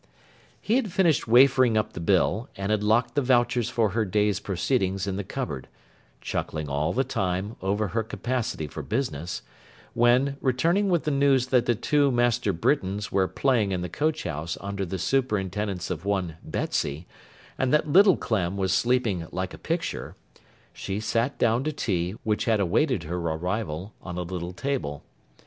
He had finished wafering up the bill, and had locked the vouchers for her day's proceedings in the cupboard—chuckling all the time, over her capacity for business—when, returning with the news that the two Master Britains were playing in the coach house under the superintendence of one Betsey, and that little Clem was sleeping 'like a picture,' she sat down to tea, which had awaited her arrival, on a little table.